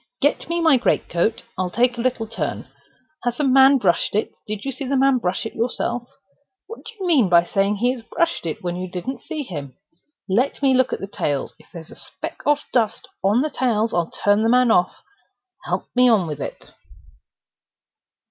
"Get me my great coat; I'll take a little turn. Has the man brushed it? Did you see the man brush it yourself? What do you mean by saying he has brushed it, when you didn't see him? Let me look at the tails. If there's a speck of dust on the tails, I'll turn the man off!—Help me on with it."